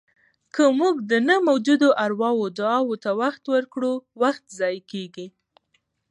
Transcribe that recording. که موږ د نه موجودو ارواوو دعاوو ته وخت ورکړو، وخت ضایع کېږي.